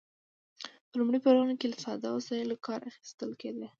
په لومړیو پړاوونو کې له ساده وسایلو کار اخیستل کیده.